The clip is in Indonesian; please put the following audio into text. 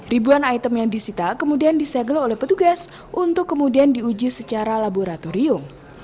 ribuan item yang disita kemudian disegel oleh petugas untuk kemudian diuji secara laboratorium